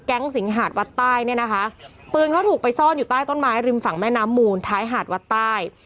สิงหาดวัดใต้เนี่ยนะคะปืนเขาถูกไปซ่อนอยู่ใต้ต้นไม้ริมฝั่งแม่น้ำมูลท้ายหาดวัดใต้